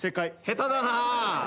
下手だな。